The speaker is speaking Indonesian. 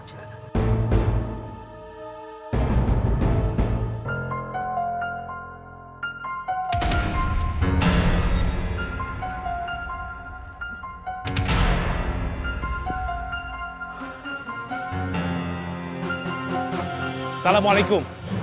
tidak ada apa apa